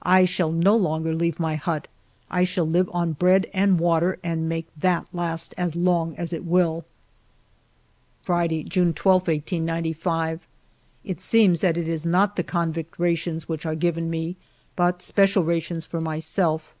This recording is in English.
I shall no longer leave my hut ; I shall live on bread and water and make that last as long as it will. Friday^ June 12, 1895. It seems that it is not the convict rations which are given me, but special rations for myself.